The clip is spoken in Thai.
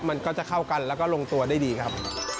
มันก็จะเข้ากันแล้วก็ลงตัวได้ดีครับ